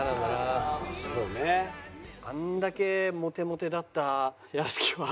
あんだけモテモテだった屋敷は。